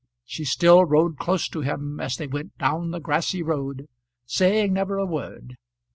She still rode close to him as they went down the grassy road, saying never a word.